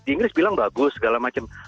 inggris bilang bagus segala macam